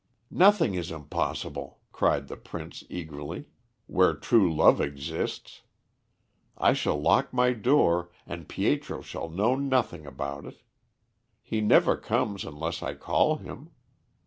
"Nothing is impossible," cried the Prince eagerly, "where true love exists. I shall lock my door, and Pietro shall know nothing about it. He never comes unless I call him.